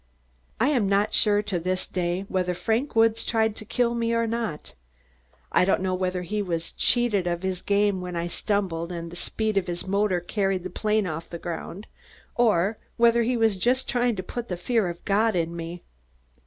I am not sure to this day, whether Frank Woods tried to kill me or not. I don't know whether he was cheated of his game when I stumbled and the speed of his motor carried the plane off the ground, or whether he was just trying to put the fear of God in me.